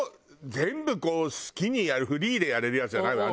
全部こう好きにやるフリーでやれるやつじゃないわよ？